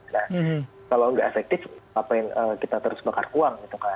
nah kalau nggak efektif ngapain kita terus bakar uang gitu kan